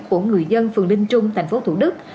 của người dân phường linh trung thành phố thủ đức